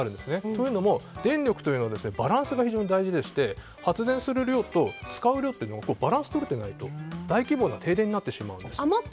というのも電力というのはバランスが非常に大事でして発電する量と使う量のバランスが取れてないと大規模な停電になってしまうんです。